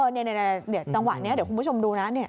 นี่จังหวะนี้เดี๋ยวคุณผู้ชมดูนะ